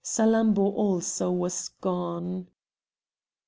Salammbô also was gone.